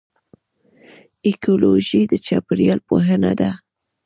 ایکیولوژي د چاپیریال پوهنه ده